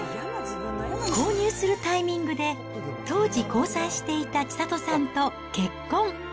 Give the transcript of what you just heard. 購入するタイミングで、当時、交際していた千里さんと結婚。